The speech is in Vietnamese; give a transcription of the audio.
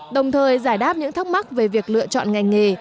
đồng thời giải đáp những thắc mắc về việc lựa chọn ngành nghề